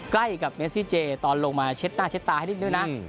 ใกล้กับเมซี่เจตอนลงมาเช็ดหน้าเช็ดตาให้นิดนึงนะ